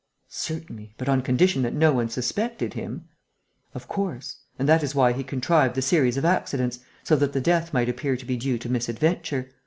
"Certainly, but on condition that no one suspected him." "Of course; and that is why he contrived the series of accidents, so that the death might appear to be due to misadventure.